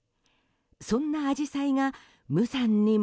そんなアジサイが無残にも。